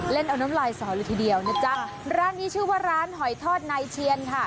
เล่นอ๋อน้ำลายสองวันทีเดียวนะจ๊ะนี่ชื่อว่าร้านหอยทอดไนเชียนค่ะ